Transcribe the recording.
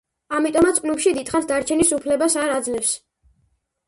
ამიტომაც კლუბში დიდხანს დარჩენის უფლებას არ აძლევს.